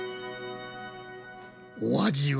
お味は？